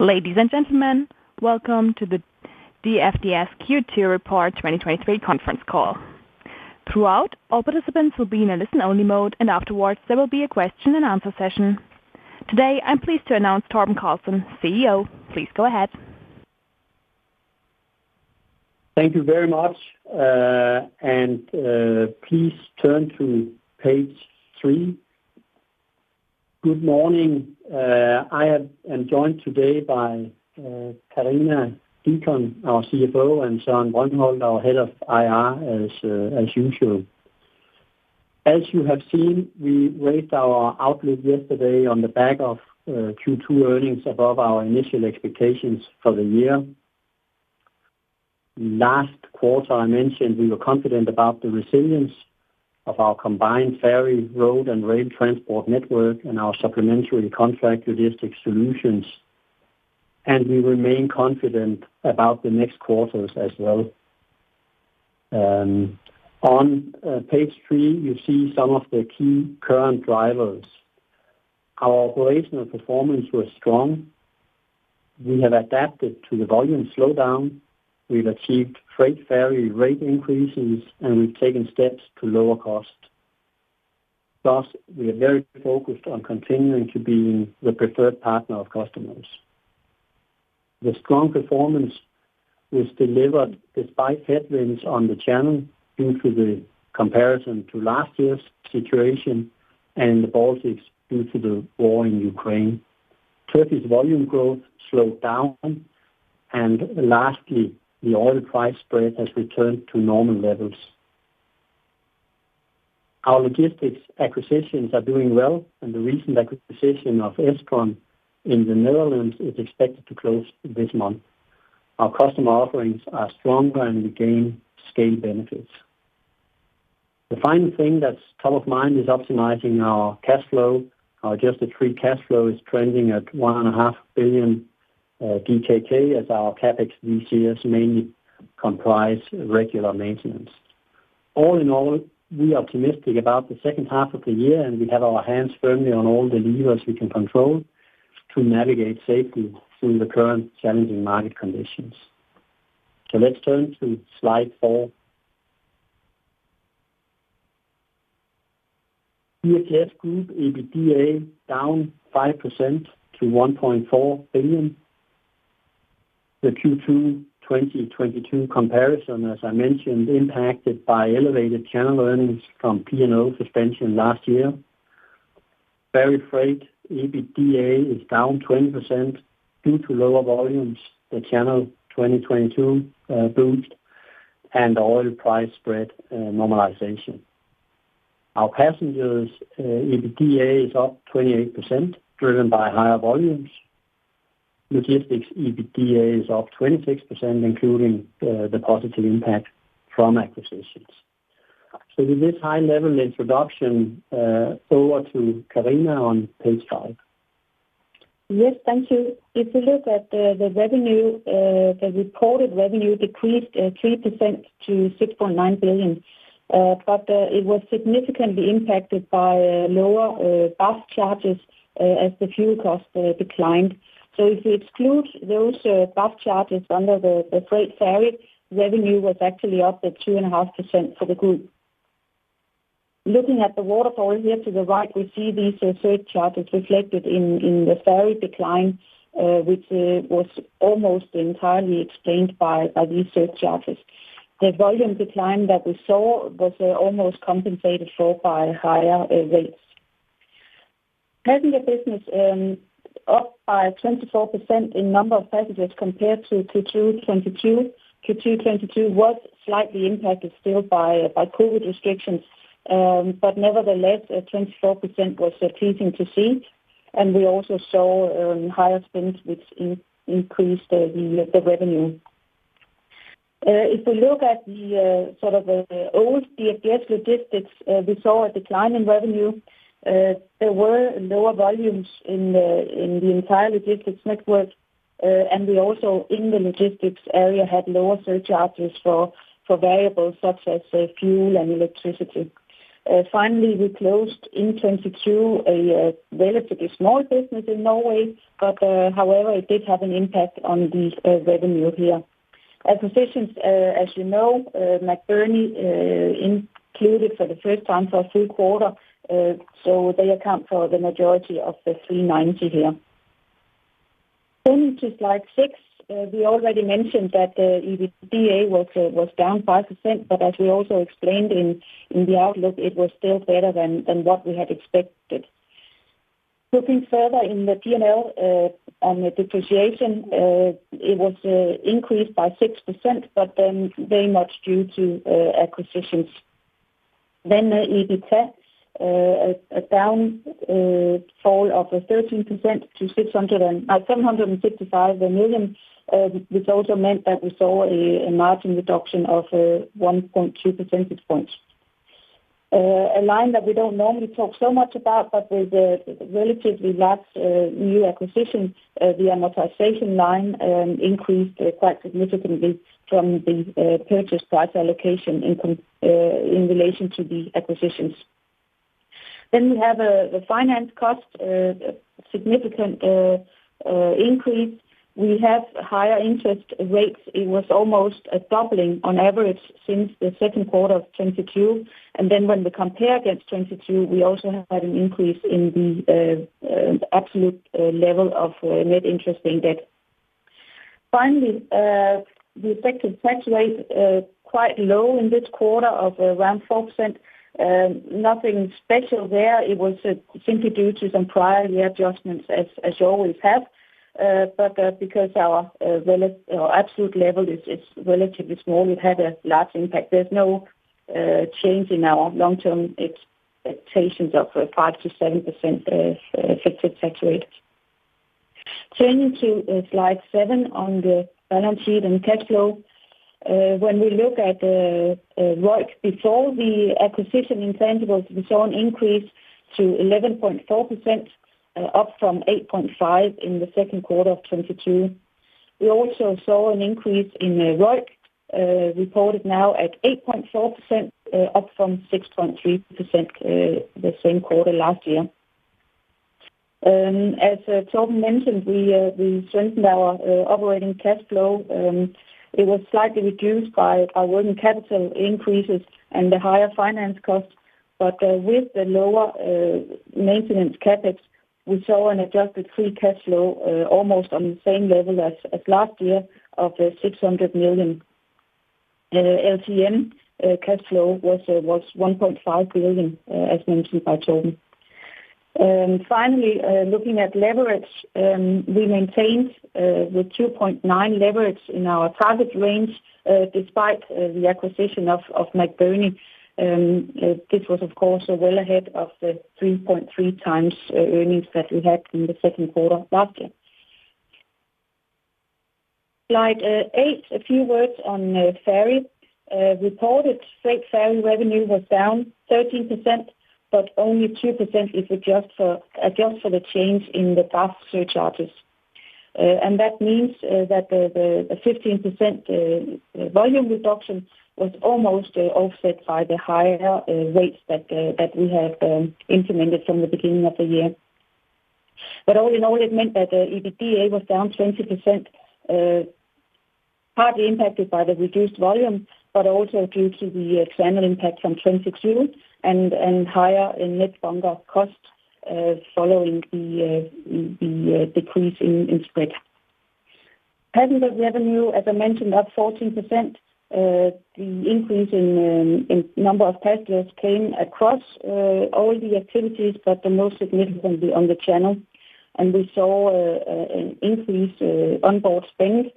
Ladies and gentlemen, welcome to the DFDS Q2 Report 2023 conference call. Throughout, all participants will be in a listen-only mode, and afterwards there will be a question-and-answer session. Today, I'm pleased to announce Torben Carlsen, CEO. Please go ahead. Thank you very much. Please turn to page three. Good morning. I am joined today by Karina Deacon, our CFO, and Søren Brøndum Andersen, our head of IR, as usual. As you have seen, we raised our outlook yesterday on the back of Q2 earnings above our initial expectations for the year. Last quarter, I mentioned we were confident about the resilience of our combined ferry, road, and rail transport network and our supplementary contract logistics solutions, and we remain confident about the next quarters as well. On page three, you see some of the key current drivers. Our operational performance was strong. We have adapted to the volume slowdown, we've achieved freight ferry rate increases, and we've taken steps to lower cost. Thus, we are very focused on continuing to be the preferred partner of customers. The strong performance was delivered despite headwinds on the channel due to the comparison to last year's situation and the Baltics due to the war in Ukraine. Turkey's volume growth slowed down. Lastly, the oil price spread has returned to normal levels. Our logistics acquisitions are doing well. The recent acquisition of Estron in the Netherlands is expected to close this month. Our customer offerings are stronger. We gain scale benefits. The final thing that's top of mind is optimizing our cash flow. Our adjusted free cash flow is trending at 1.5 billion DKK, as our CapEx this year mainly comprise regular maintenance. All in all, we are optimistic about the second half of the year. We have our hands firmly on all the levers we can control to navigate safely through the current challenging market conditions. Let's turn to slide 4. DFDS group EBITDA down 5% to 1.4 billion. The Q2 2022 comparison, as I mentioned, impacted by elevated channel earnings from P&O suspension last year. Ferry freight EBITDA is down 20% due to lower volumes, the channel 2022 boost, and oil price spread normalization. Our passengers EBITDA is up 28%, driven by higher volumes. Logistics EBITDA is up 26%, including the positive impact from acquisitions. With this high-level introduction, over to Karina on page 5. Yes, thank you. If you look at the, the revenue, the reported revenue decreased 3% to 6.9 billion. It was significantly impacted by lower bunker charges, as the fuel costs declined. If you exclude those bunker charges under the, the freight ferry, revenue was actually up at 2.5% for the group. Looking at the waterfall here to the right, we see these surcharges reflected in, in the ferry decline, which was almost entirely explained by these surcharges. The volume decline that we saw was almost compensated for by higher rates. Passenger business, up by 24% in number of passengers compared to Q2 2022. Q2 2022 was slightly impacted still by, by COVID restrictions, but nevertheless, 24% was pleasing to see, and we also saw higher spends, which increased the revenue. If we look at the sort of the old DFDS logistics, we saw a decline in revenue. There were lower volumes in the entire logistics network, and we also, in the logistics area, had lower surcharges for variables such as fuel and electricity. Finally, we closed in 2022 a relatively small business in Norway, but however, it did have an impact on the revenue here. Acquisitions, as you know, McBurney included for the first time for a full quarter, so they account for the majority of the 390 here. To slide 6. We already mentioned that the EBITDA was down 5%, but as we also explained in the outlook, it was still better than what we had expected. Looking further in the P&L, on the depreciation, it was increased by 6%, but then very much due to acquisitions. The EBITA down, fall of 13% to 755 million, which also meant that we saw a margin reduction of 1.2 percentage points. A line that we don't normally talk so much about, but with the relatively large new acquisition, the amortization line increased quite significantly from the purchase price allocation in relation to the acquisitions. We have the finance cost, significant increase. We have higher interest rates. It was almost a doubling on average since the second quarter of 2022, and then when we compare against 2022, we also have had an increase in the absolute level of net interest in debt. Finally, the effective tax rate, quite low in this quarter of around 4%. Nothing special there. It was simply due to some prior year adjustments, as, as you always have. Because our absolute level is relatively small, we've had a large impact. There's no change in our long-term expectations of 5%-7% effective tax rate. Turning to slide 7 on the balance sheet and cash flow. When we look at the ROIC before the acquisition intangibles, we saw an increase to 11.4%, up from 8.5 in the Q2 of 2022. We also saw an increase in ROIC, reported now at 8.4%, up from 6.3%, the same quarter last year. As Torben mentioned, we strengthened our operating cash flow, it was slightly reduced by our working capital increases and the higher finance costs. With the lower maintenance CapEx, we saw an adjusted free cash flow, almost on the same level as last year of 600 million. LTM cash flow was 1.5 billion, as mentioned by Torben. Finally, looking at leverage, we maintained the 2.9 leverage in our target range, despite the acquisition of McBurney. This was, of course, well ahead of the 3.3x earnings that we had in the second quarter of last year. Slide 8, a few words on ferry. Reported freight ferry revenue was down 13%, only 2% if adjusted for the change in the past surcharges. That means that the 15% volume reduction was almost offset by the higher rates that we have implemented from the beginning of the year. All in all, it meant that EBITDA was down 20%, partly impacted by the reduced volume, but also due to the channel impact from 2022 and higher in net bunker costs, following the decrease in spread. Passenger revenue, as I mentioned, up 14%. The increase in number of passengers came across all the activities, but the most significantly on the channel. We saw an increase on board spend,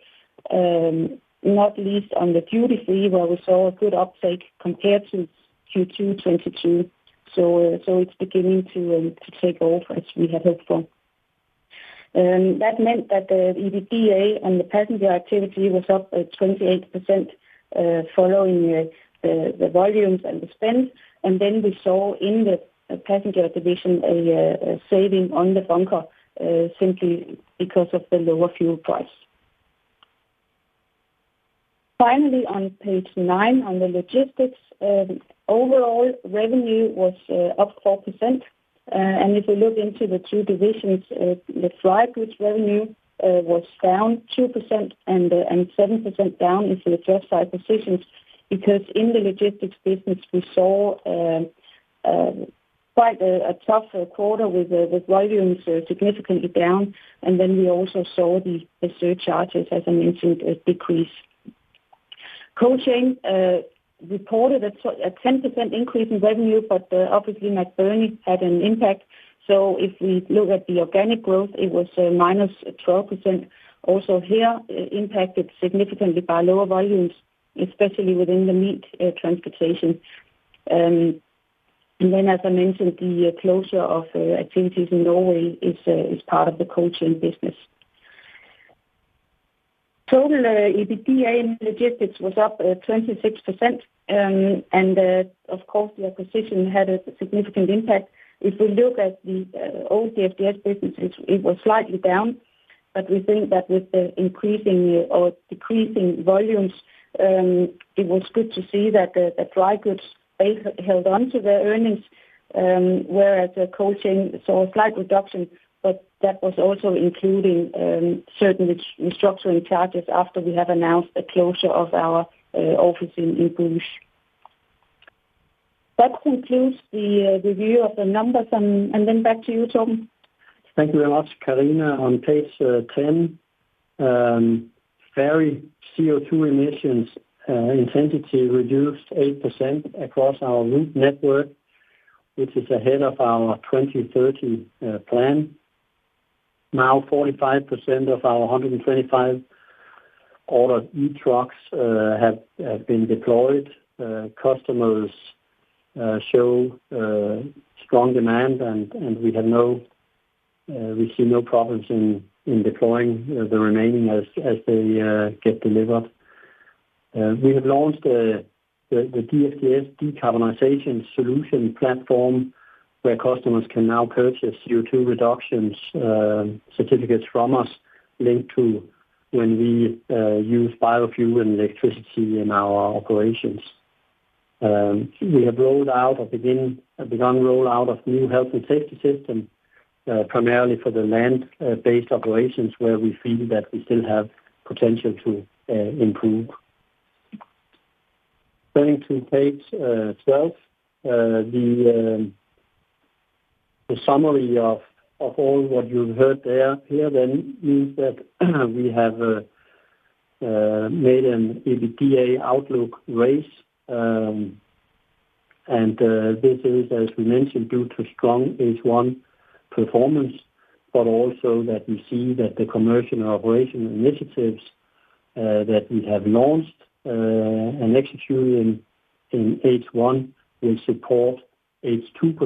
not least on the duty-free, where we saw a good uptake compared to Q2 2022. It's beginning to take off, as we had hoped for. That meant that the EBITDA on the passenger activity was up 28%, following the volumes and the spend. We saw in the passenger division, a saving on the bunker, simply because of the lower fuel price. On page 9, on the logistics, overall revenue was up 4%. If we look into the 2 divisions, the dry goods revenue was down 2% and 7% down if we adjust our positions, because in the logistics business, we saw quite a tougher quarter with volumes significantly down. We also saw the surcharges, as I mentioned, decrease. Cold chain reported a 10% increase in revenue, but obviously, McBurney had an impact. If we look at the organic growth, it was -12%. Impacted significantly by lower volumes, especially within the meat transportation. As I mentioned, the closure of activities in Norway is part of the cold chain business. Total EBITDA in logistics was up 26%, and of course, the acquisition had a significant impact. If we look at the old DFDS businesses, it was slightly down, but we think that with the increasing or decreasing volumes, it was good to see that the dry goods, they held on to their earnings, whereas the cold chain saw a slight reduction, but that was also including certain restructuring charges after we have announced a closure of our office in Bruges. That concludes the review of the numbers. Then back to you, Torben. Thank you very much, Karina. On page 10, ferry CO2 emissions intensity reduced 8% across our route network, which is ahead of our 2030 plan. 45% of our 125 ordered e-trucks have, have been deployed. Customers show strong demand, and, and we have no, we see no problems in, in deploying the remaining as, as they get delivered. We have launched the DFDS decarbonization solution platform, where customers can now purchase CO2 reductions, certificates from us. linked to when we use biofuel and electricity in our operations. We have rolled out or begin, begun rollout of new health and safety system, primarily for the land based operations, where we feel that we still have potential to improve. Going to page 12. The summary of, of all what you've heard there, here then is that we have made an EBITDA outlook raise. This is, as we mentioned, due to strong H1 performance, but also that we see that the commercial and operation initiatives that we have launched and executing in H1 will support H2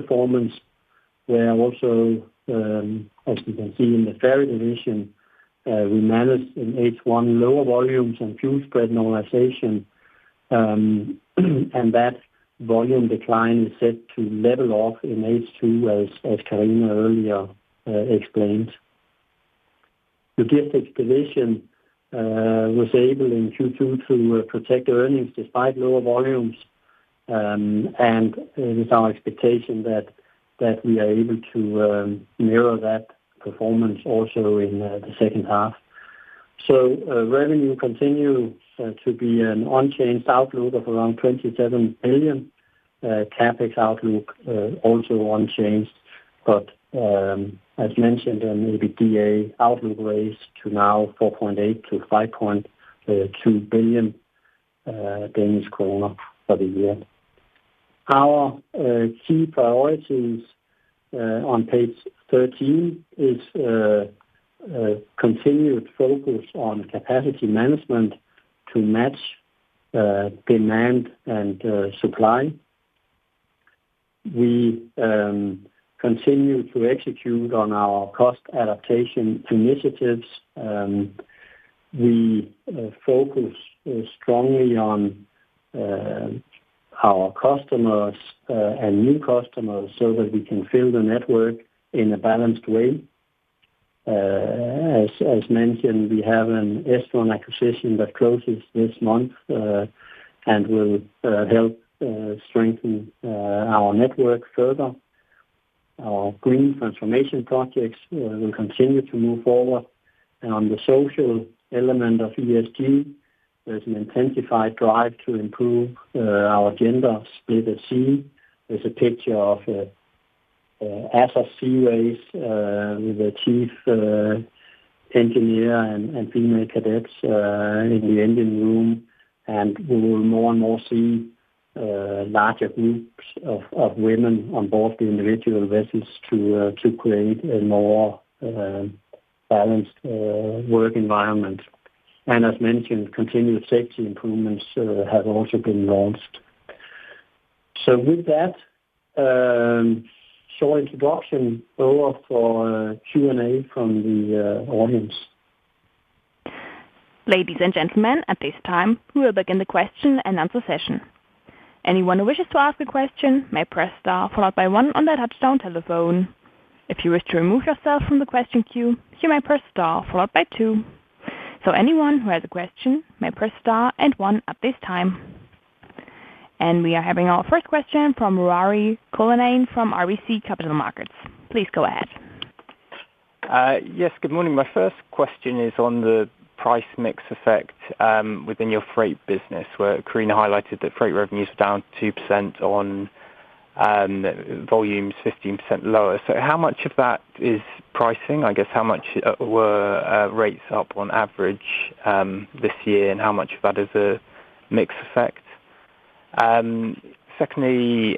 performance, where also, as you can see in the ferry division, we managed in H1 lower volumes and fuel spread normalization. That volume decline is set to level off in H2, as, as Karina earlier explained. The Logistics division was able in Q2 to protect earnings despite lower volumes. It is our expectation that, that we are able to mirror that performance also in the second half. Revenue continues to be an unchanged outlook of around 27 billion. CapEx outlook also unchanged, as mentioned, an EBITDA outlook raised to now 4.8 billion-5.2 billion Danish kroner for the year. Our key priorities on page 13 is a continued focus on capacity management to match demand and supply. We continue to execute on our cost adaptation initiatives. We focus strongly on our customers and new customers so that we can fill the network in a balanced way. As mentioned, we have an Estron acquisition that closes this month and will help strengthen our network further. Our green transformation projects will continue to move forward. On the social element of ESG, there's an intensified drive to improve, our gender split at sea. There's a picture Atlas Seaways, with the chief engineer and, and female cadets, in the engine room, and we will more and more see larger groups of, of women on board the individual vessels to create a more balanced work environment. As mentioned, continued safety improvements have also been launched. With that, short introduction over for Q&A from the audience. Ladies and gentlemen, at this time, we will begin the question-and-answer session. Anyone who wishes to ask a question may press star followed by one on their touchdown telephone. If you wish to remove yourself from the question queue, you may press star followed by two. Anyone who has a question may press star and one at this time. We are having our first question from Ruairi Cullinane from RBC Capital Markets. Please go ahead. Yes, good morning. My first question is on the price mix effect within your freight business, where Karina highlighted that freight revenues are down 2% on volumes 15% lower. How much of that is pricing? I guess, how much were rates up on average this year, and how much of that is a mix effect? Secondly,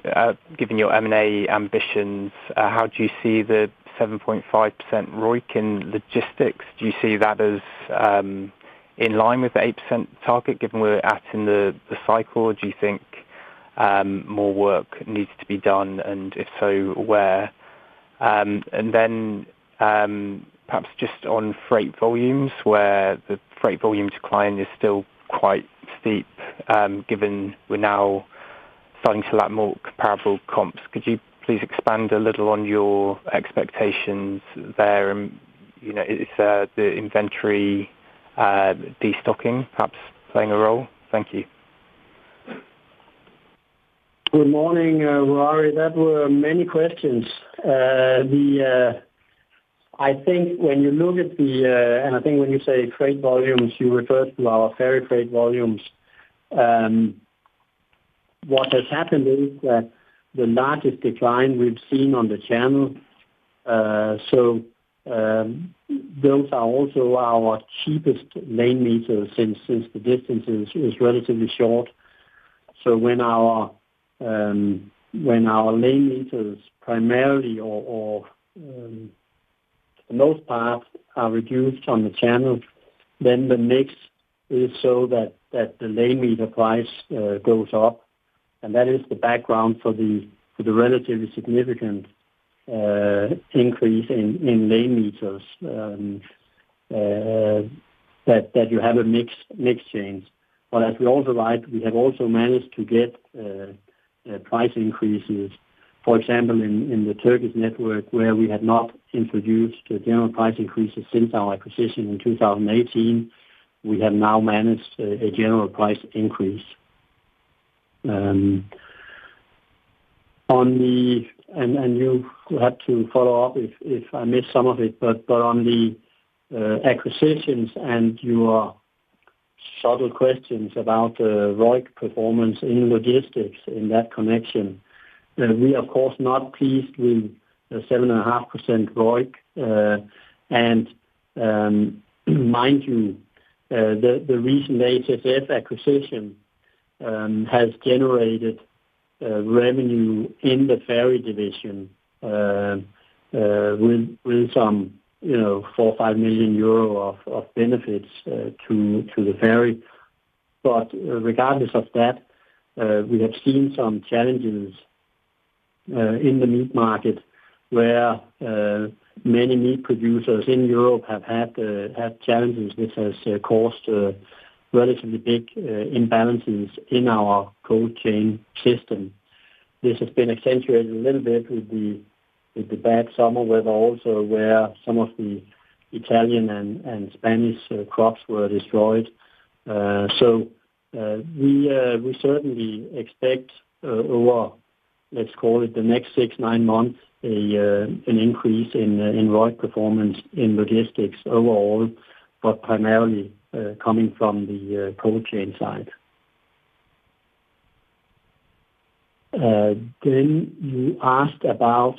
given your M&A ambitions, how do you see the 7.5% ROIC in logistics? Do you see that as in line with the 8% target, given we're at in the cycle? Or do you think more work needs to be done, and if so, where? Then, perhaps just on freight volumes, where the freight volume decline is still quite steep, given we're now starting to lack more comparable comps, could you please expand a little on your expectations there? You know, is the inventory destocking perhaps playing a role? Thank you. Good morning, Ruairi. That were many questions. I think when you look at the, and I think when you say freight volumes, you refer to our ferry freight volumes. What has happened is that the largest decline we've seen on the channel, so those are also our cheapest lane meters since, since the distance is, is relatively short. So when our, when our lane meters, primarily or, or, most parts are reduced on the channel, then the mix is so that, that the lane meter price goes up, and that is the background for the, for the relatively significant increase in, in lane meters. That, that you have a mix, mix change. As we also write, we have also managed to get price increases. For example, in the Turkish network, where we had not introduced general price increases since our acquisition in 2018, we have now managed a general price increase. On the, and you'll have to follow up if I missed some of it, but on the acquisitions and your subtle questions about ROIC performance in logistics in that connection, we are of course not pleased with the 7.5% ROIC. And mind you, the recent HSF acquisition has generated revenue in the ferry division with some, you know, 4-5 million euro of benefits to the ferry. Regardless of that, we have seen some challenges in the meat market, where many meat producers in Europe have had challenges, which has caused relatively big imbalances in our cold chain system. This has been accentuated a little bit with the bad summer weather also, where some of the Italian and Spanish crops were destroyed. We certainly expect over, let's call it the next six, nine months, an increase in ROIC performance in logistics overall, but primarily coming from the cold chain side. You asked about?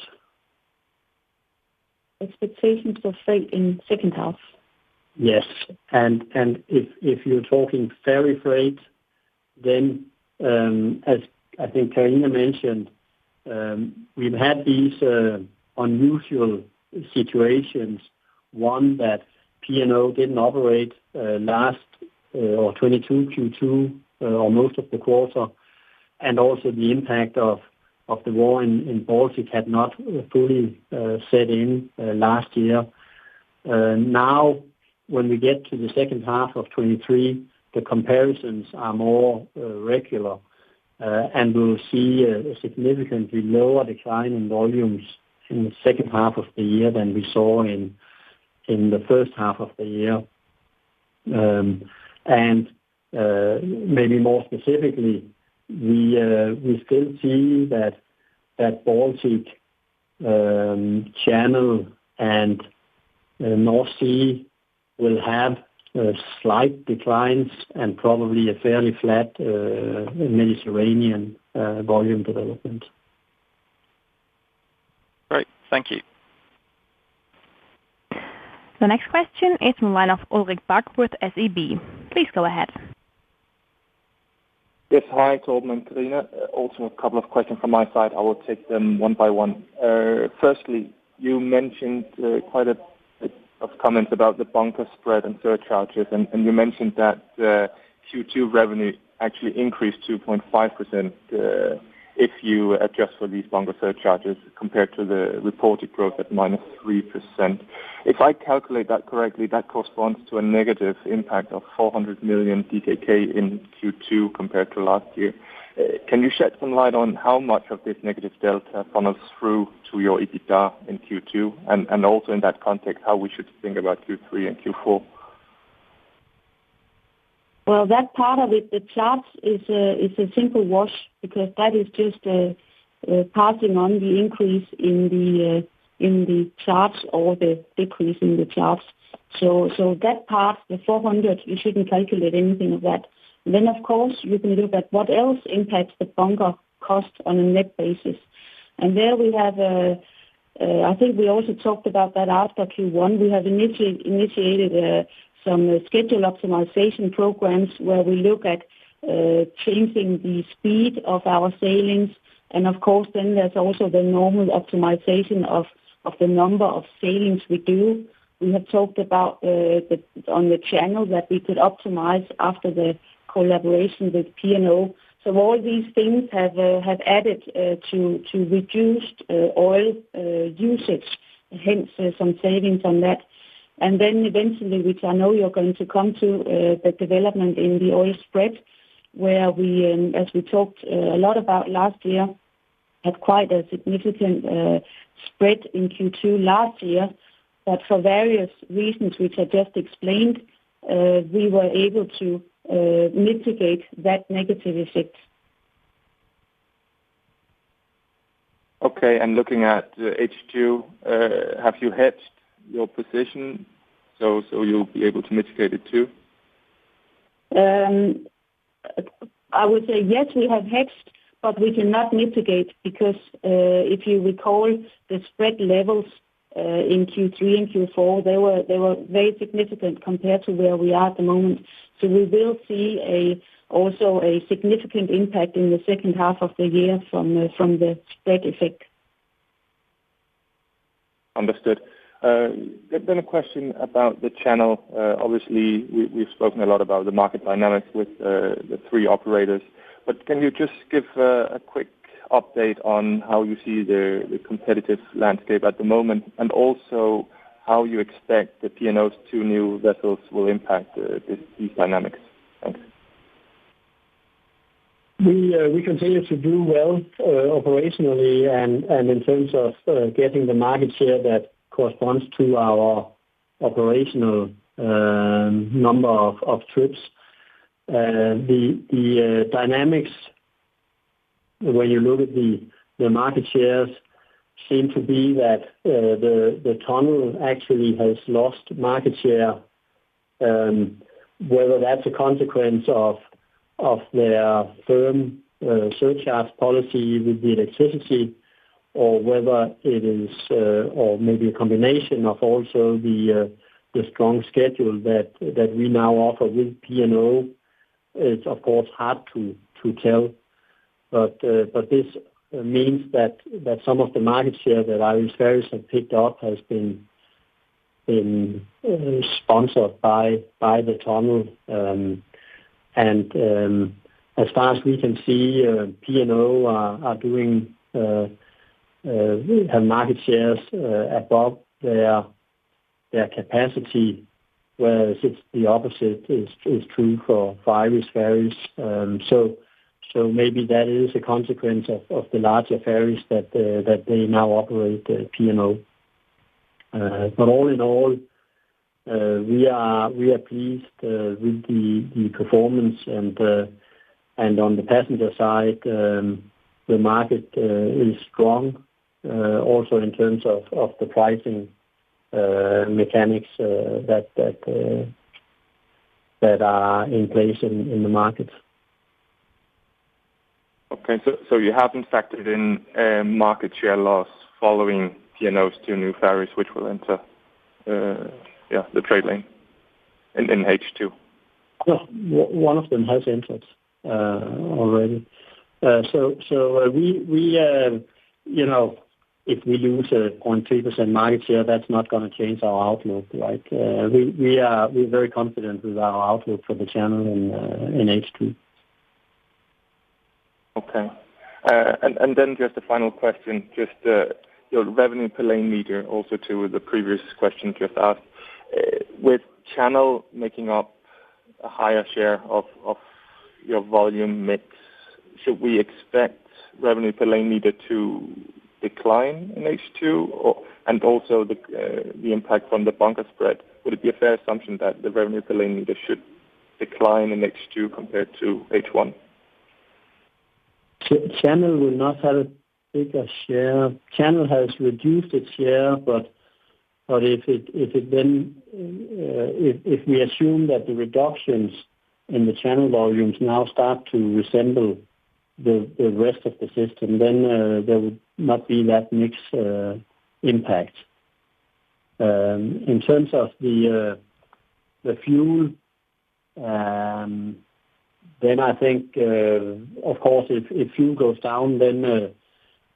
Expectations for freight in second half. Yes, and, and if, if you're talking ferry freight, then, as I think Karina mentioned, we've had these unusual situations. One, that P&O didn't operate last or 2022 Q2 or most of the quarter, and also the impact of the war in Baltic had not fully set in last year. Now, when we get to the second half of 2023, the comparisons are more regular, and we'll see a significantly lower decline in volumes in the second half of the year than we saw in the first half of the year. Maybe more specifically, we still see that Baltic, channel and the North Sea will have slight declines and probably a fairly flat Mediterranean volume development. Great, thank you. The next question is from line of Ulrik Bak, SEB. Please go ahead. Yes, hi, Torben and Karina. Also, a couple of questions from my side. I will take them one by one. Firstly, you mentioned quite a bit of comments about the bunker spread and surcharges, and you mentioned that Q2 revenues actually increased 2.5%, if you adjust for these bunker surcharges, compared to the reported growth at -3%. If I calculate that correctly, that corresponds to a negative impact of 400 million DKK in Q2 compared to last year. Can you shed some light on how much of this negative delta funnels through to your EBITDA in Q2? Also in that context, how we should think about Q3 and Q4? Well, that part of it, the charge is a, is a simple wash, because that is just passing on the increase in the charts or the decrease in the charts. That part, the 400, you shouldn't calculate anything of that. Of course, you can look at what else impacts the bunker cost on a net basis. There we have, I think we also talked about that after Q1. We have initiated some schedule optimization programs where we look at changing the speed of our sailings. Of course, then there's also the normal optimization of the number of sailings we do. We have talked about on the channel that we could optimize after the collaboration with P&O. All these things have have added to reduced oil usage, hence some savings on that. Eventually, which I know you're going to come to, the development in the oil spread, where we, as we talked a lot about last year, had quite a significant spread in Q2 last year. For various reasons, which I just explained, we were able to mitigate that negative effect. Okay, looking at H2, have you hedged your position so, so you'll be able to mitigate it too? I would say, yes, we have hedged, but we cannot mitigate because, if you recall the spread levels, in Q3 and Q4, they were very significant compared to where we are at the moment. We will see also a significant impact in the second half of the year from the spread effect. Understood. A question about the channel. Obviously, we've spoken a lot about the market dynamics with the three operators, but can you just give a quick update on how you see the competitive landscape at the moment, and also how you expect the P&O's two new vessels will impact this, these dynamics? Thanks. We continue to do well operationally, and in terms of getting the market share that corresponds to our operational number of trips. The dynamics, when you look at the market shares, seem to be that the tunnel actually has lost market share. Whether that's a consequence of their firm surcharge policy with the electricity, or whether it is or maybe a combination of also the strong schedule that we now offer with P&O, it's of course hard to tell. This means that some of the market share that Irish Ferries have picked up has been sponsored by the tunnel. As far as we can see, P&O are doing, have market shares above their capacity, whereas it's the opposite is true for Irish Ferries. So maybe that is a consequence of the larger ferries that they now operate at P&O. All in all, we are pleased with the performance, and on the passenger side, the market is strong, also in terms of the pricing mechanics that are in place in the markets. Okay. so you have in fact, market share loss following P&O's 2 new ferries, which will enter, yeah, the trade lane in, in H2? Well, one of them has entered already. So we, we, you know, if we lose a 0.2% market share, that's not gonna change our outlook, right? We, we're very confident with our outlook for the channel in H2. Okay. Then just a final question, your revenue per lane meter, also to the previous question just asked. With channel making up a higher share of your volume mix, should we expect revenue per lane meter to decline in H2, or also the impact from the bunker spread? Would it be a fair assumption that the revenue per lane meter should decline in H2 compared to H1? Channel will not have a bigger share. Channel has reduced its share, if it then, if, if we assume that the reductions in the channel volumes now start to resemble the rest of the system, then there would not be that mixed impact. In terms of the fuel, then I think, of course, if, if fuel goes down, then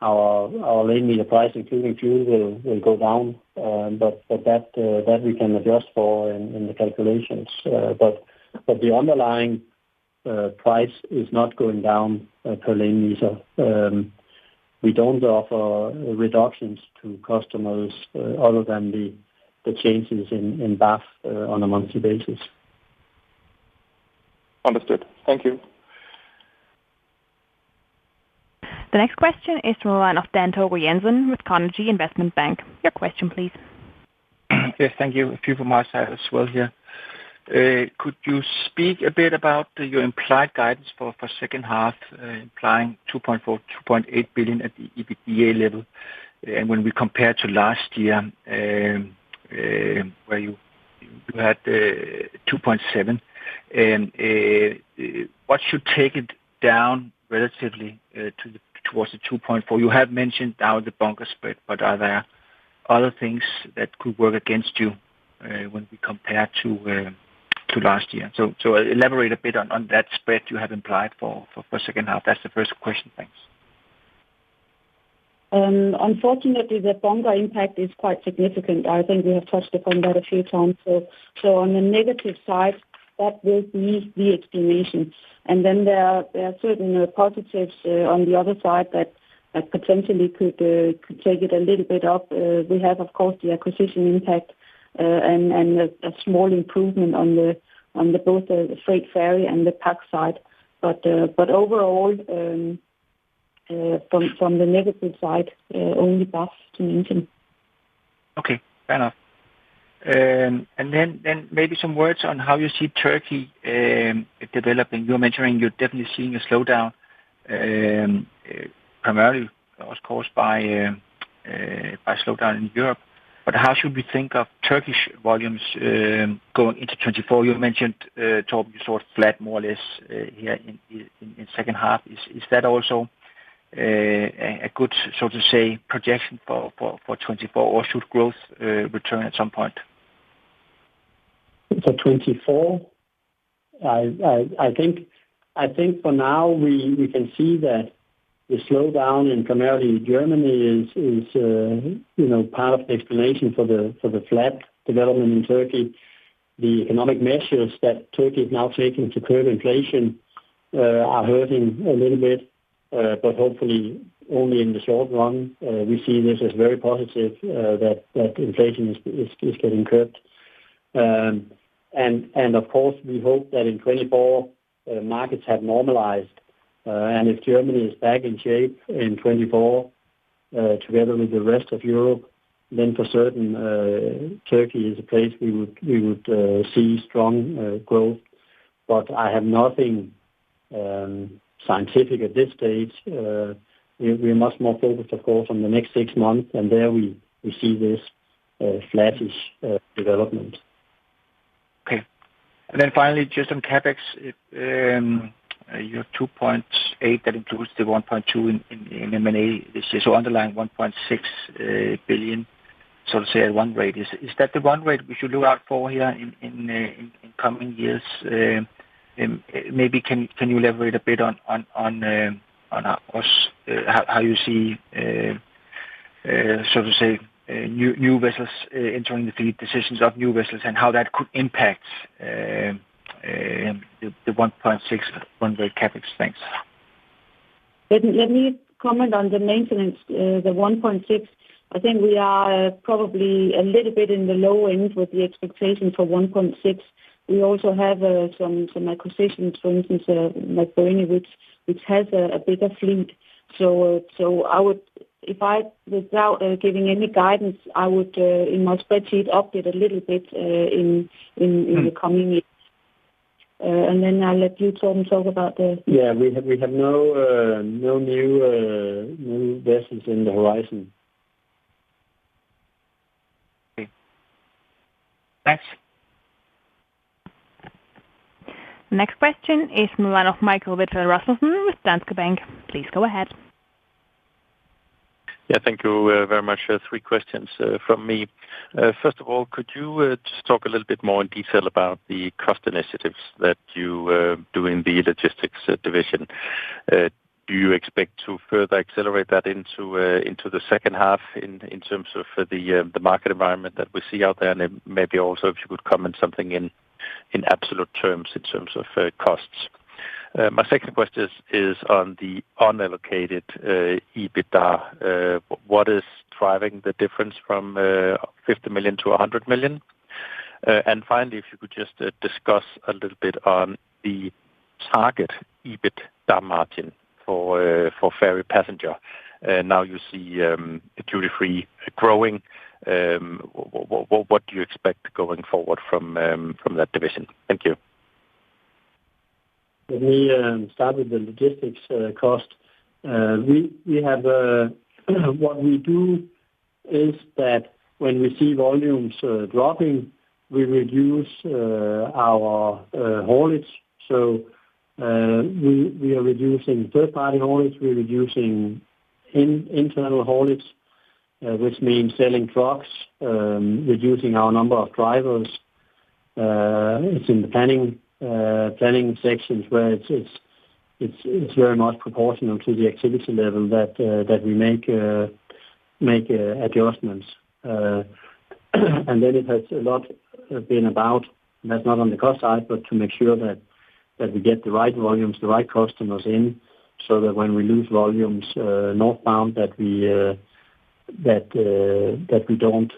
our lane meter price, including fuel, will go down. That we can adjust for in the calculations. The underlying price is not going down per lane meter. We don't offer reductions to customers other than the changes in BAF on a monthly basis. Understood. Thank you. The next question is from the line of Dan Togo Jensen with Carnegie Investment Bank. Your question, please. Okay. Thank you. A few from my side as well here. Could you speak a bit about your implied guidance for second half, implying 2.4 billion-2.8 billion at the EBITDA level? When we compare to last year, where you had 2.7 billion, what should take it down relatively towards the 2.4 billion? You have mentioned now the bunker spread, are there other things that could work against you when we compare to last year? Elaborate a bit on that spread you have implied for second half. That's the first question. Thanks. Unfortunately, the bunker impact is quite significant. I think we have touched upon that a few times. So on the negative side, that will be the explanation. Then there are, there are certain positives on the other side that, that potentially could take it a little bit up. We have, of course, the acquisition impact, and, and a, a small improvement on the, on the both the freight ferry and the pack side. But overall, from, from the negative side, only BAF to mention. Okay, fair enough. Then, then maybe some words on how you see Turkey developing. You're mentioning you're definitely seeing a slowdown, primarily that was caused by slowdown in Europe. How should we think of Turkish volumes going into 2024? You mentioned top, you saw it flat, more or less, here in second half. Is that also a good, so to say, projection for 2024, or should growth return at some point? For 2024? I, I, I think, I think for now, we, we can see that the slowdown, and primarily Germany is, is, you know, part of the explanation for the, for the flat development in Turkey. The economic measures that Turkey is now taking to curb inflation are hurting a little bit, but hopefully only in the short run. We see this as very positive that inflation is getting curbed. Of course, we hope that in 2024 markets have normalized, and if Germany is back in shape in 2024, together with the rest of Europe, then for certain, Turkey is a place we would, we would see strong growth. I have nothing scientific at this stage. We're, we're much more focused, of course, on the next six months, and there we, we see this flattish development. Okay. Then finally, just on CapEx, your 2.8, that includes the 1.2 in M&A this year, so underlying 1.6 billion, so to say at one rate. Is that the one rate we should look out for here in coming years? Maybe can you elaborate a bit on us, how you see so to say new vessels entering the fleet, decisions of new vessels, and how that could impact the 1.6 CapEx? Thanks. Let me comment on the maintenance, the 1.6. I think we are probably a little bit in the low end with the expectation for 1.6. We also have some acquisitions, for instance, like UN Ro-Ro or Uncertain, which has a bigger fleet. If I, without giving any guidance, I would in my spreadsheet, up it a little bit. Mm. the coming weeks. And then I'll let you, Torben, talk about the- Yeah, we have, we have no, no new vessels in the horizon. Okay. Thanks. Next question is in the line of Michael Vitfell-Rasmussen with Danske Bank. Please go ahead. Yeah, thank you, very much. Three questions from me. First of all, could you just talk a little bit more in detail about the cost initiatives that you do in the logistics division? Do you expect to further accelerate that into the second half in terms of the market environment that we see out there? Then maybe also if you could comment something in absolute terms in terms of costs. My second question is on the unallocated EBITDA. What is driving the difference from 50 million to 100 million? Finally, if you could just discuss a little bit on the target EBITDA margin for ferry passenger. Now you see, the duty-free growing. What do you expect going forward from, from that division? Thank you. Let me start with the logistics cost. We, we have what we do is that when we see volumes dropping, we reduce our haulage. We, we are reducing third-party haulage, we're reducing internal haulage, which means selling trucks, reducing our number of drivers. It's in the planning, planning sections where it's, it's, it's, it's very much proportional to the activity level that we make, make adjustments. Then it has a lot been about, that's not on the cost side, but to make sure that, that we get the right volumes, the right customers in, so that when we lose volumes northbound, that we that that we don't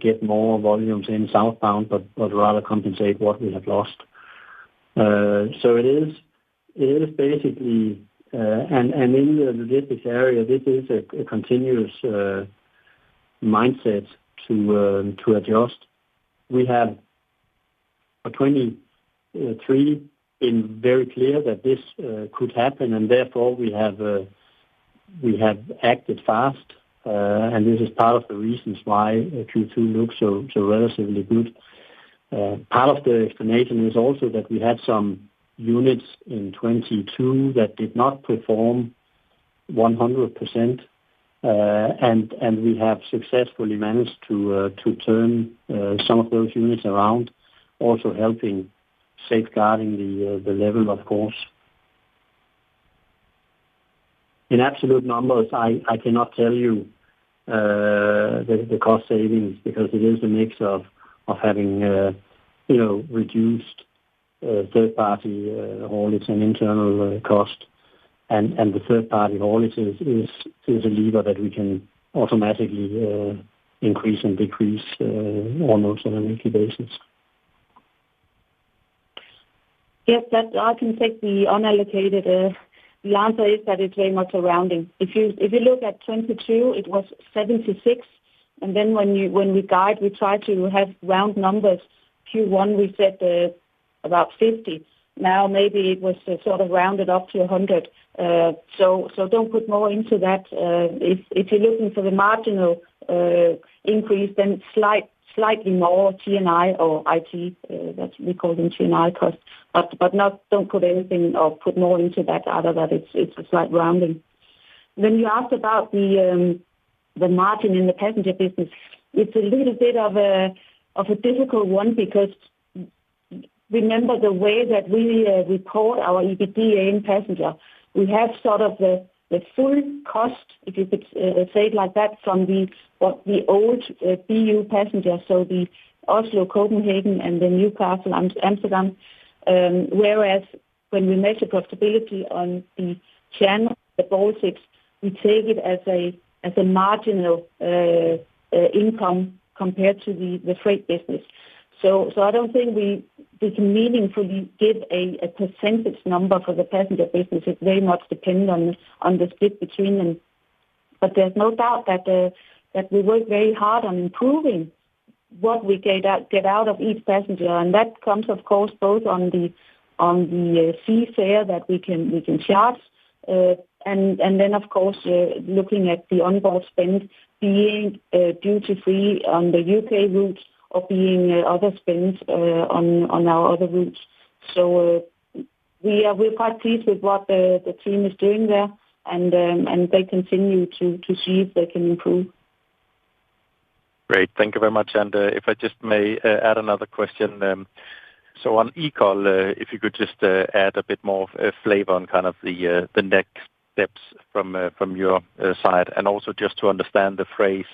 get more volumes in southbound, but, but rather compensate what we have lost. It is, it is basically, in the logistics area, this is a continuous mindset to adjust. We have for 2023 been very clear that this could happen, therefore, we have acted fast. This is part of the reasons why Q2 looks so, so relatively good. Part of the explanation is also that we had some units in 2022 that did not perform 100%. We have successfully managed to turn some of those units around, also helping safeguarding the level, of course. In absolute numbers, I, I cannot tell you the cost savings because it is a mix of having, you know, reduced third-party haulage and internal cost. The third party haulage is a lever that we can automatically increase and decrease almost on a weekly basis. Yes, that I can take the unallocated. The answer is that it's very much a rounding. If you, if you look at 2022, it was 76, and then when we guide, we try to have round numbers. Q1, we said, about 50. Now, maybe it was sort of rounded up to 100. Don't put more into that. If you're looking for the marginal increase, then slightly more G&A or IT, that we call them G&A cost, but don't put anything or put more into that other than it's a slight rounding. When you asked about the margin in the passenger business, it's a little bit of a difficult one because-... Remember the way that we report our EBITDA in passenger, we have sort of the, the full cost, if you could say it like that, from the, what the old BU passenger, so the Oslo, Copenhagen, and the Newcastle and Amsterdam. Whereas when we measure profitability on the channel, the Baltics, we take it as a, as a marginal income compared to the, the freight business. I don't think we can meaningfully give a, a % number for the passenger business. It very much depends on the, on the split between them. There's no doubt that we work very hard on improving what we get out, get out of each passenger, and that comes, of course, both on the, on the sea fare that we can, we can charge. And then, of course, looking at the onboard spend, being duty-free on the UK routes or being other spends, on, on our other routes. We are, we're quite pleased with what the, the team is doing there, and they continue to, to see if they can improve. Great. Thank you very much. If I just may, add another question. On Ekol, if you could just add a bit more flavor on kind of the next steps from your side, and also just to understand the phrase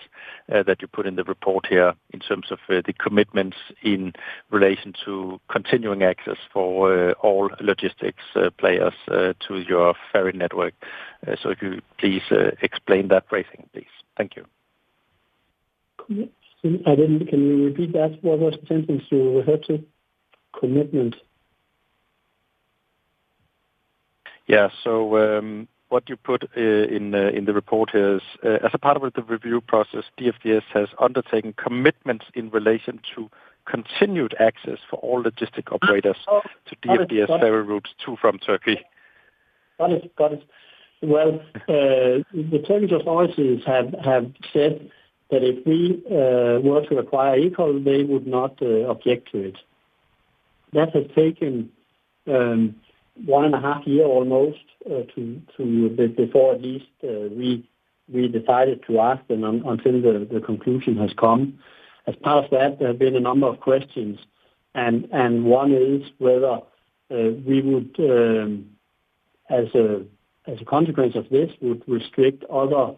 that you put in the report here in terms of the commitments in relation to continuing access for all logistics players to your ferry network. If you please, explain that phrasing, please. Thank you. Can you, and then can you repeat that? What was the sentence you referred to? Commitment. Yeah. What you put in the, in the report is, "As a part of the review process, DFDS has undertaken commitments in relation to continued access for all logistic operators to DFDS ferry routes to and from Turkey. Got it. Got it. Well, the Turkish authorities have, have said that if we were to acquire Ekol, they would not object to it. That has taken 1.5 years almost to before at least we decided to ask them until the conclusion has come. As part of that, there have been a number of questions, and one is whether we would, as a consequence of this, restrict other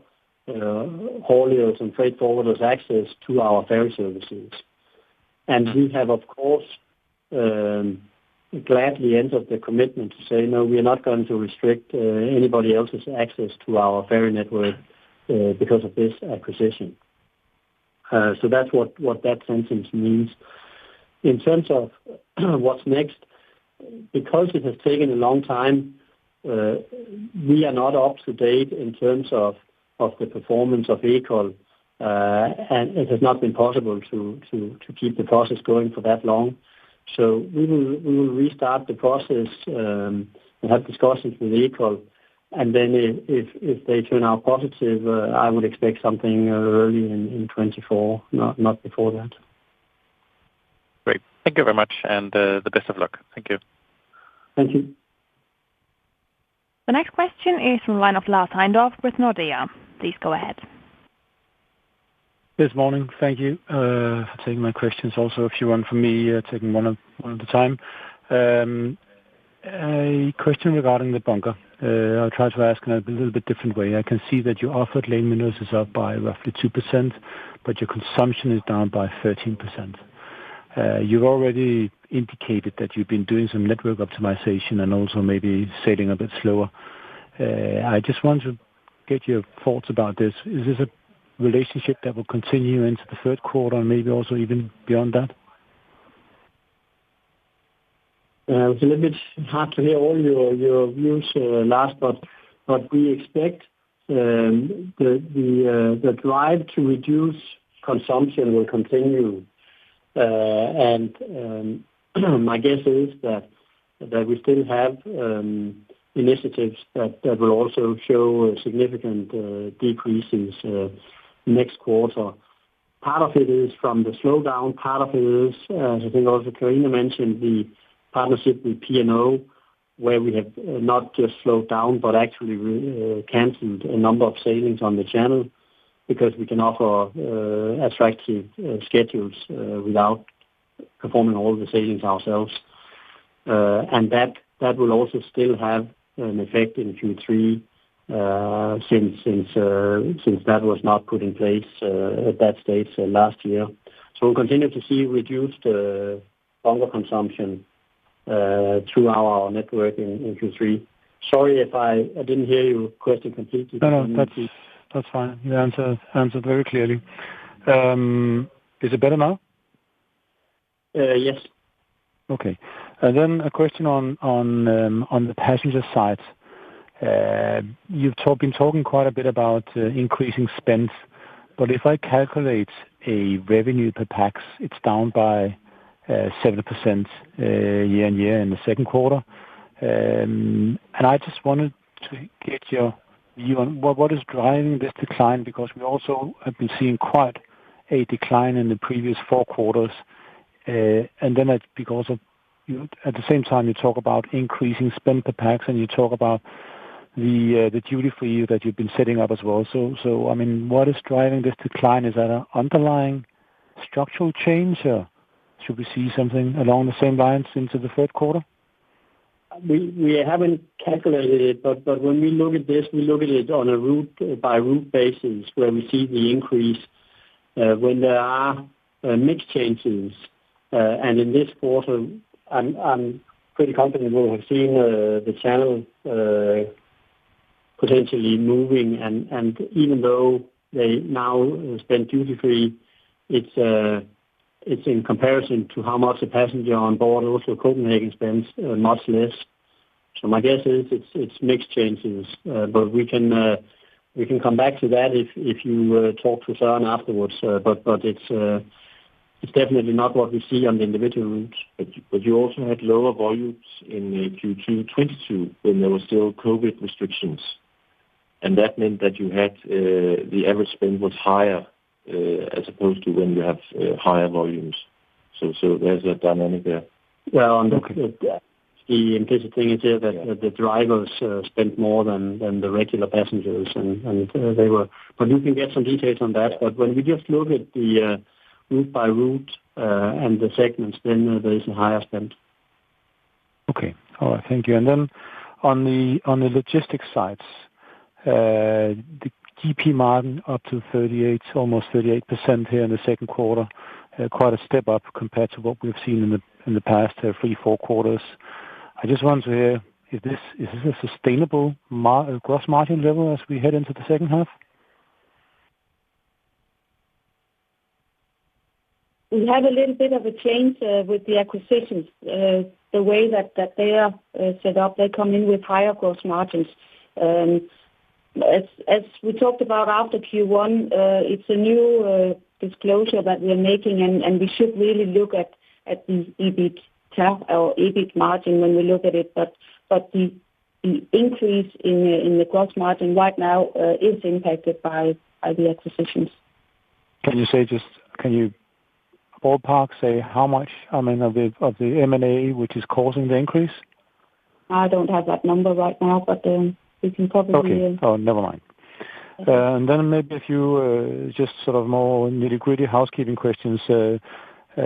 hauliers and freight forwarders access to our ferry services. We have, of course, gladly entered the commitment to say, "No, we are not going to restrict anybody else's access to our ferry network because of this acquisition." That's what, what that sentence means. In terms of what's next, because it has taken a long time, we are not up to date in terms of, of the performance of Ekol, and it has not been possible to, to, to keep the process going for that long. We will, we will restart the process, and have discussions with Ekol, and then if, if, if they turn out positive, I would expect something early in, in 2024, not, not before that. Great. Thank you very much, the best of luck. Thank you. Thank you. The next question is from line of Lars Heindorff with Nordea. Please go ahead. This morning. Thank you, for taking my questions, also a few one from me, taking one of, one at a time. A question regarding the bunker. I'll try to ask in a little bit different way. I can see that you offered lane minuses up by roughly 2%, but your consumption is down by 13%. You've already indicated that you've been doing some network optimization and also maybe sailing a bit slower. I just want to get your thoughts about this. Is this a relationship that will continue into the third quarter and maybe also even beyond that? It's a little bit hard to hear all your, your views, Lars, but, but we expect the, the, the drive to reduce consumption will continue. My guess is that, that we still have initiatives that, that will also show a significant decreases next quarter. Part of it is from the slowdown, part of it is, I think also Karina mentioned the partnership with P&O, where we have not just slowed down but actually canceled a number of sailings on the channel because we can offer attractive schedules without performing all the sailings ourselves. That, that will also still have an effect in Q3 since, since, since that was not put in place at that stage last year. We'll continue to see reduced bunker consumption through our network in Q3. Sorry if I, I didn't hear your question completely. No, no, that's, that's fine. You answered, answered very clearly. Is it better now? Yes. Okay. Then a question on, on, on the passenger side. You've been talking quite a bit about increasing spend, but if I calculate a revenue per pax, it's down by 70% year-over-year in Q2. I just wanted to get your view on what, what is driving this decline, because we also have been seeing quite a decline in the previous 4 quarters. Then because of, you know, at the same time, you talk about increasing spend per pax, and you talk about the duty for you that you've been setting up as well. I mean, what is driving this decline? Is that an underlying structural change, or should we see something along the same lines into Q3? We haven't calculated it, but when we look at this, we look at it on a route by route basis, where we see the increase, when there are mix changes. In this quarter, I'm pretty confident we'll have seen the channel potentially moving, and even though they now spend duty-free, it's in comparison to how much a passenger on board also Copenhagen spends much less. My guess is it's mix changes. We can come back to that if you talk to Søren afterwards. It's definitely not what we see on the individual routes. You also had lower volumes in Q2 2022, when there were still COVID restrictions, and that meant that you had the average spend was higher as opposed to when you have higher volumes. There's a dynamic there. Well. Okay. The implicit thing is that the drivers spent more than the regular passengers. You can get some details on that. When we just look at the route by route, and the segments, then there is a higher spend. Okay. All right. Thank you. Then on the, on the logistics side, the GP margin up to 38, almost 38% here in the second quarter, quite a step up compared to what we've seen in the, in the past 3, 4 quarters. I just want to hear, is this, is this a sustainable gross margin level as we head into the second half? We had a little bit of a change, with the acquisitions. The way that, that they are, set up, they come in with higher gross margins. As, as we talked about after Q1, it's a new, disclosure that we're making, and, and we should really look at, at the EBIT or EBIT margin when we look at it. The, the increase in the, in the gross margin right now, is impacted by, by the acquisitions. Can you say, can you ballpark say how much, I mean, of the, of the M&A, which is causing the increase? I don't have that number right now, but, we can probably- Okay. Oh, never mind. Okay. Then maybe a few, just sort of more nitty-gritty housekeeping questions.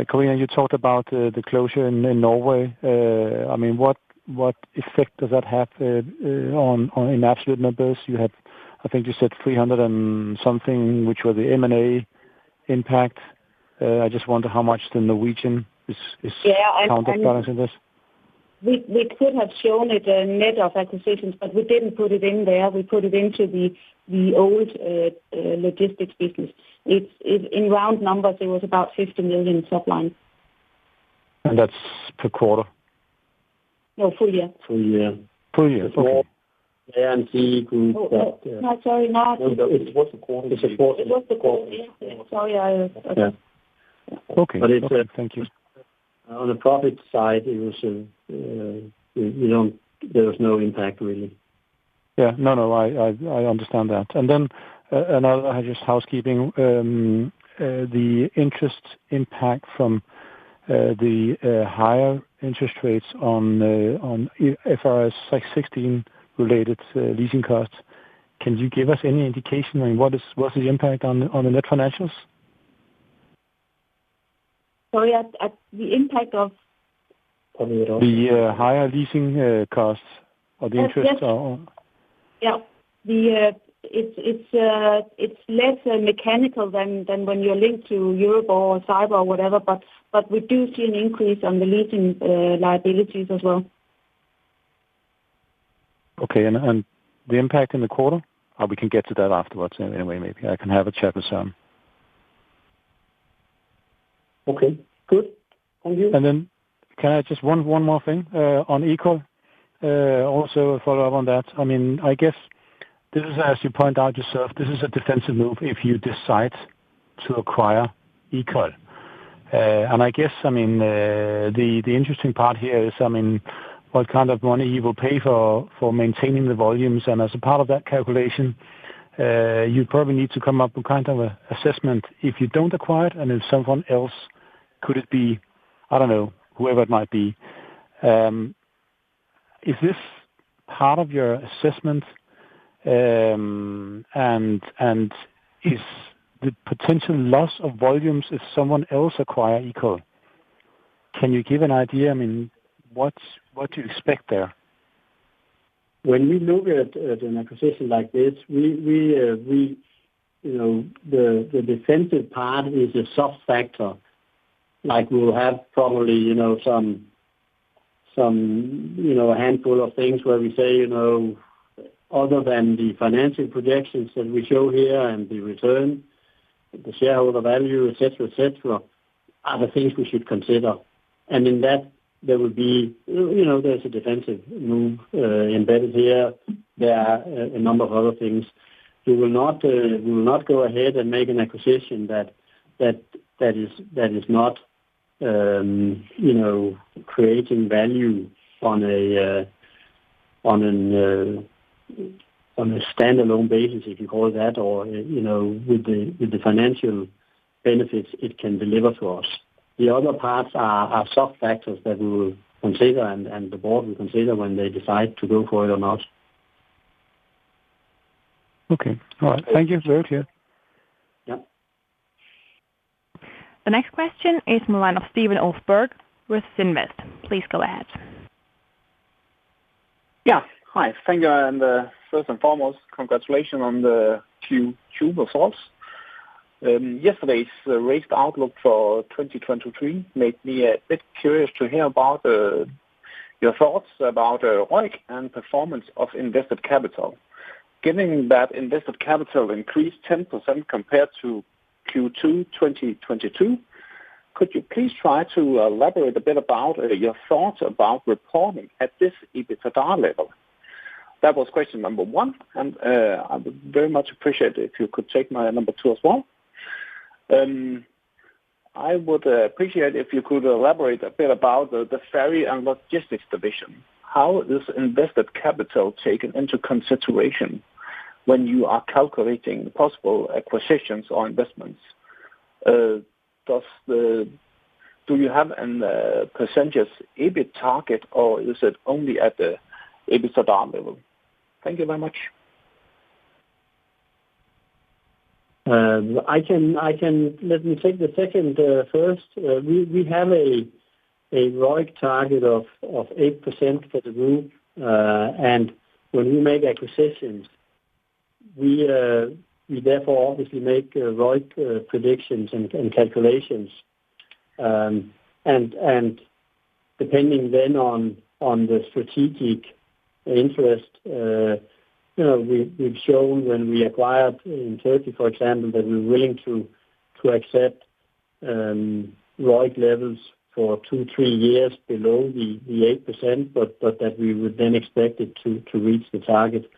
Karina, you talked about the closure in Norway. I mean, what, what effect does that have on in absolute numbers? You had, I think you said 300 and something, which were the M&A impact. I just wonder how much the Norwegian is, is- Yeah, I, Counterbalance in this. We, we could have shown it a net of acquisitions, but we didn't put it in there. We put it into the, the old, logistics business. It's, it's in round numbers, it was about 50 million top line. That's per quarter? No, full year. Full year. Full year. Okay. The group. No, sorry, Mark. It was a quarter. It was the quarter. Sorry, Yeah. Okay. it's. Thank you. On the profit side, it was a, we don't, there was no impact, really. Yeah. No, no, I, I, I understand that. Then another just housekeeping. The interest impact from the higher interest rates on IFRS 16 related leasing costs. Can you give us any indication on what is, what is the impact on the, on the net financials? Sorry, at, at the impact of? On the- The higher leasing costs or the interest on. Yeah. The, it's, it's, it's less mechanical than, than when you're linked to Euribor or Cibor or whatever, but, but we do see an increase on the leasing, liabilities as well. Okay. And the impact in the quarter? We can get to that afterwards anyway. Maybe I can have a chat with Son. Okay, good. Thank you. Can I just... One, one more thing on Ekol? Also a follow-up on that. I mean, I guess this is, as you point out yourself, this is a defensive move if you decide to acquire Ekol. I guess, I mean, the interesting part here is, I mean, what kind of money you will pay for, for maintaining the volumes? As a part of that calculation, you probably need to come up with kind of assessment if you don't acquire it, and if someone else, could it be, I don't know, whoever it might be. Is this part of your assessment? Is the potential loss of volumes if someone else acquire Ekol? Can you give an idea, I mean, what, what to expect there? When we look at, at an acquisition like this, we, we, we, you know, the, the defensive part is a soft factor. Like, we'll have probably, you know, some, some, you know, a handful of things where we say, you know, other than the financial projections that we show here and the return, the shareholder value, et cetera, et cetera, are the things we should consider. In that, there will be, you know, there's a defensive move, embedded here. There are a number of other things. We will not, we will not go ahead and make an acquisition that, that, that is, that is not, you know, creating value on a, on an, on a standalone basis, if you call it that, or, you know, with the, with the financial-... benefits it can deliver to us. The other parts are soft factors that we will consider, and the board will consider when they decide to go for it or not. Okay, all right. Thank you. Very clear. Yeah. The next question is the line of Stefan Olsberg with Sydinvest. Please go ahead. Yeah, hi. Thank you. First and foremost, congratulations on the Q2 results. Yesterday's raised outlook for 2023 made me a bit curious to hear about your thoughts about ROIC and performance of invested capital. Given that invested capital increased 10% compared to Q2 2022, could you please try to elaborate a bit about your thoughts about reporting at this EBITDA level? That was question 1. I would very much appreciate it if you could take my 2 as well. I would appreciate if you could elaborate a bit about the, the ferry and logistics division. How is invested capital taken into consideration when you are calculating possible acquisitions or investments? Do you have a % EBIT target, or is it only at the EBITDA level? Thank you very much. I can, I can... Let me take the second, first. We, we have a ROIC target of 8% for the group. When we make acquisitions, we therefore obviously make ROIC predictions and calculations. Depending then on the strategic interest, you know, we've shown when we acquired in Turkey, for example, that we're willing to accept ROIC levels for 2, 3 years below the 8%, but that we would then expect it to reach the target.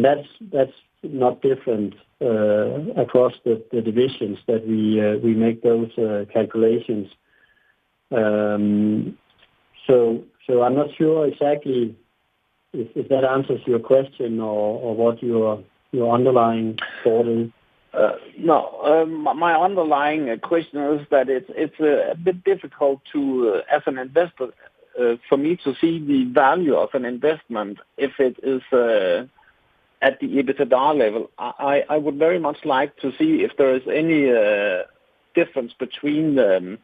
That's, that's not different across the divisions that we make those calculations. I'm not sure exactly if that answers your question or what your underlying thought is? No. My, my underlying question is that it's, it's a bit difficult to, as an investor, for me to see the value of an investment if it is at the EBITDA level. I would very much like to see if there is any difference between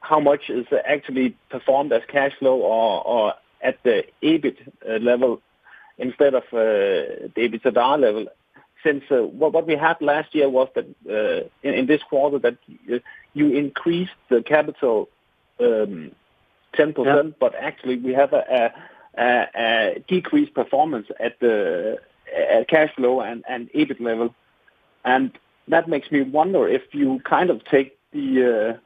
how much is actually performed as cash flow or at the EBIT level instead of the EBITDA level. Since what we had last year was that in this quarter, that you increased the capital 10%- Yeah. actually we have a decreased performance at cash flow and EBIT level. That makes me wonder if you kind of take the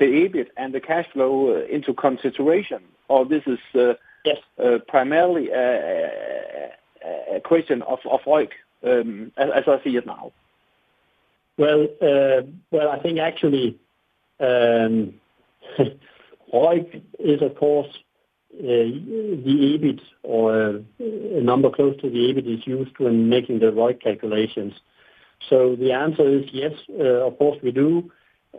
EBIT and the cash flow into consideration, or this is. Yes. primarily a question of ROIC, as I see it now. Well, well, I think actually, ROIC is, of course, the EBIT or a number close to the EBIT is used when making the ROIC calculations. The answer is yes, of course, we do.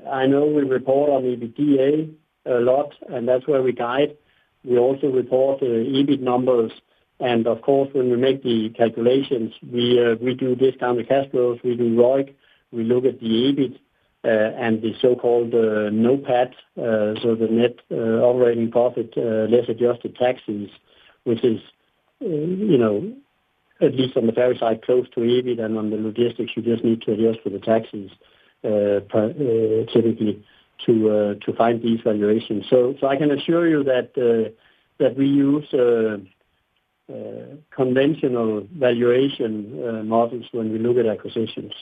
I know we report on the EBITDA a lot, and that's where we guide. We also report EBIT numbers, and of course, when we make the calculations, we do discount the cash flows, we do ROIC, we look at the EBIT, and the so-called NOPAT, so the net operating profit less adjusted taxes, which is, you know, at least on the ferry side, close to EBIT, and on the logistics, you just need to adjust for the taxes, typically to find these valuations. so I can assure you that, that we use, conventional valuation, models when we look at acquisitions.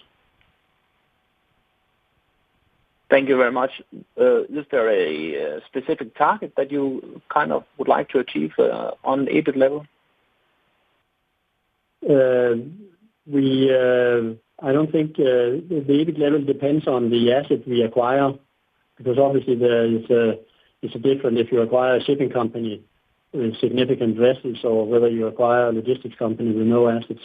Thank you very much. Is there a specific target that you kind of would like to achieve on the EBIT level? We I don't think the EBIT level depends on the asset we acquire, because obviously there is a, it's different if you acquire a shipping company with significant vessels or whether you acquire a logistics company with no assets.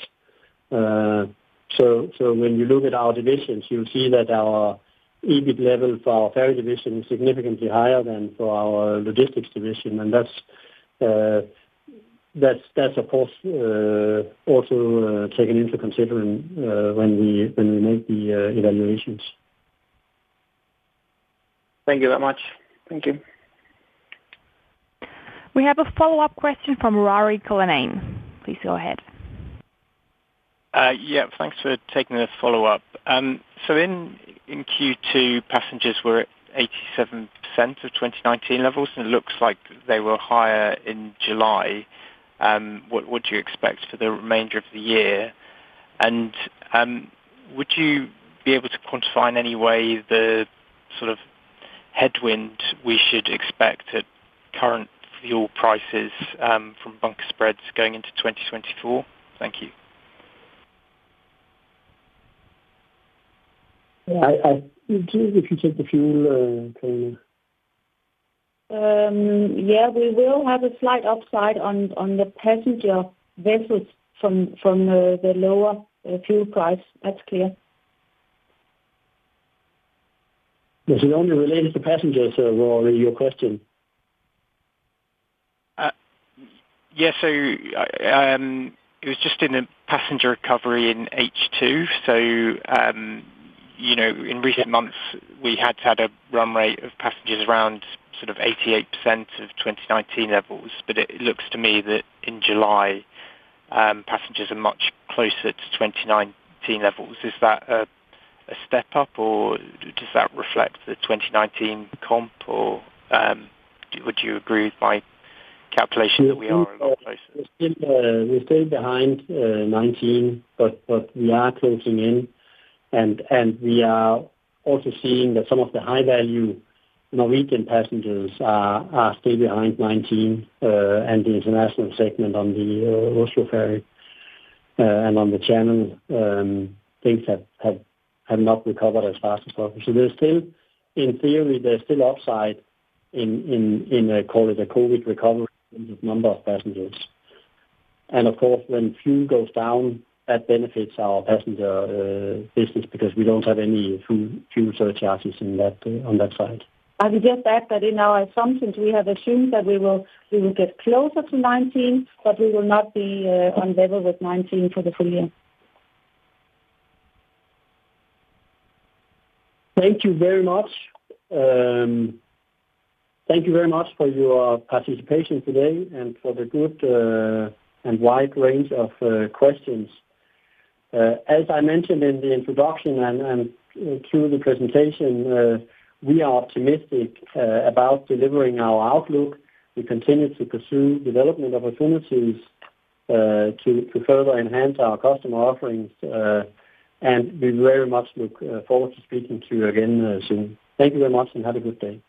So when you look at our divisions, you'll see that our EBIT level for our ferry division is significantly higher than for our logistics division, and that's, that's, that's of course, also taken into consideration when we, when we make the evaluations. Thank you very much. Thank you. We have a follow-up question from Ruairi Cullinane. Please go ahead. Yeah, thanks for taking the follow-up. So in Q2, passengers were at 87% of 2019 levels, and it looks like they were higher in July. What do you expect for the remainder of the year? Would you be able to quantify in any way the sort of headwind we should expect at current fuel prices, from bunker spreads going into 2024? Thank you. I, if you take the fuel, Yeah, we will have a slight upside on, on the passenger vessels from, from the lower fuel price. That's clear. Does it only relate to passengers, Rory, your question? Yes. It was just in the passenger recovery in H2. You know, in recent months, we had had a run rate of passengers around sort of 88% of 2019 levels. It looks to me that in July, passengers are much closer to 2019 levels. Is that a, a step up, or does that reflect the 2019 comp? Would you agree with my calculation that we are a lot closer? We're still, we're still behind 19, but, but we are closing in. We are also seeing that some of the high value Norwegian passengers are, are still behind 19, and the international segment on the Oslo ferry, and on the Channel, things have, have, have not recovered as fast as possible. There's still, in theory, there's still upside in, in, in, call it a COVID recovery in the number of passengers. Of course, when fuel goes down, that benefits our passenger business because we don't have any fuel, fuel surcharges in that on that side. I will just add that in our assumptions, we have assumed that we will, we will get closer to 2019, but we will not be on level with 2019 for the full year. Thank you very much. Thank you very much for your participation today and for the good and wide range of questions. As I mentioned in the introduction and, and through the presentation, we are optimistic about delivering our outlook. We continue to pursue development opportunities to, to further enhance our customer offerings, and we very much look forward to speaking to you again soon. Thank you very much, and have a good day.